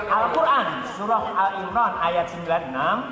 al quran surah al imran ayat sembilan puluh enam